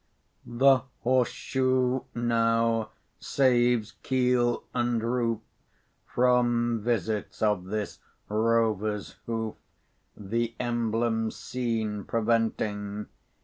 The horse shoe now saves keel, and roof, From visits of this rover's hoof, The emblem seen preventing.